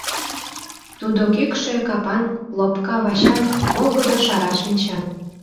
Тудо кӱкшӧ капан, лопка вачан, волгыдо шара шинчан.